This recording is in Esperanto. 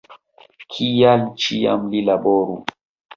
Kial ĉiam li laboru!